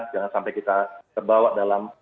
jangan sampai kita terbawa dalam